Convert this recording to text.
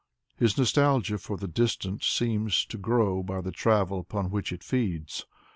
His nostalgia for the distant seems to grow by the travel upon which it feeds.